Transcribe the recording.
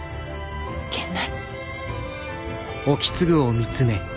源内。